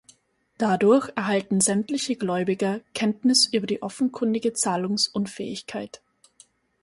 Dadurch erhalten sämtliche Gläubiger Kenntnis über die offenkundige Zahlungsunfähigkeit.